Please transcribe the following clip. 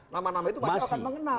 nama nama itu pasti akan mengenal